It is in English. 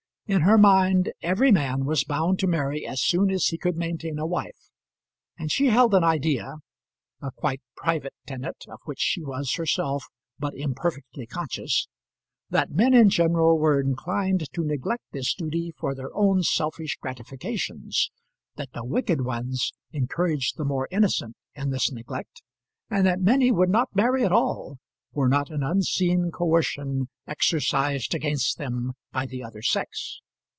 In her mind, every man was bound to marry as soon as he could maintain a wife; and she held an idea a quite private tenet, of which she was herself but imperfectly conscious that men in general were inclined to neglect this duty for their own selfish gratifications, that the wicked ones encouraged the more innocent in this neglect, and that many would not marry at all, were not an unseen coercion exercised against them by the other sex.